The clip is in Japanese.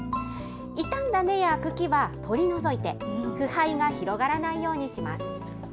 傷んだ根や茎は取り除いて、腐敗が広がらないようにします。